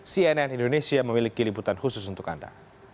cnn indonesia memiliki liputan khusus untuk anda